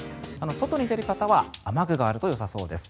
外に出る方は雨具があるとよさそうです。